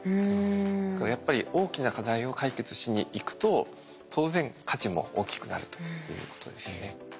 だからやっぱり大きな課題を解決しにいくと当然価値も大きくなるということですよね。